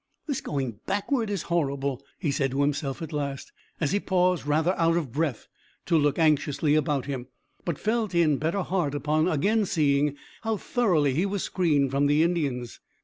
"This going backward is horrible," he said to himself at last, as he paused rather out of breath to look anxiously about him, but felt in better heart upon again seeing how thoroughly he was screened from the Indians.